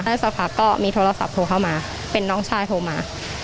สักพักก็มีโทรศัพท์โทรเข้ามาเป็นน้องชายโทรมา